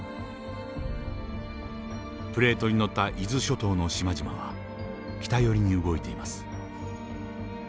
プレートに乗った伊豆諸島の島々は北寄りに動いています。